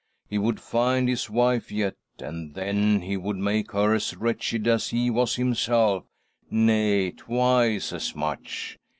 He would find his. wife yet, and then he would make her as wretched as he was himself — nay, twice as much